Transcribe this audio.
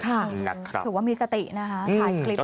ถือว่ามีสตินะคะ